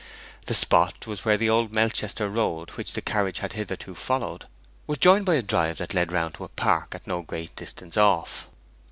The spot was where the old Melchester Road, which the carriage had hitherto followed, was joined by a drive that led round into a park at no great distance off.